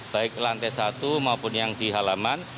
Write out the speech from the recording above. baik lantai satu maupun yang di halaman